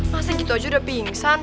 masa gitu aja udah pingsan